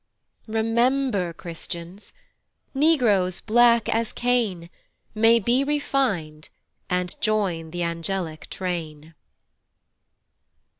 Remember, Christians, Negroes, black as Cain, May be refin'd, and join th' angelic train.